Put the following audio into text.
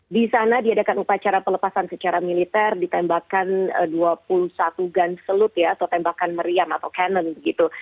di sana diadakan upacara pelepasan secara militer ditembakkan dua puluh satu gun selut ya atau tembakan meriam atau canon gitu